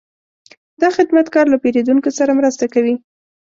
دا خدمتګر له پیرودونکو سره مرسته کوي.